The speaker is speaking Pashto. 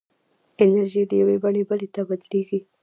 انرژي له یوې بڼې بلې ته بدلېږي.